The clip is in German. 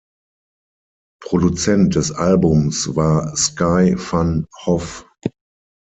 Produzent des Albums war Sky van Hoff.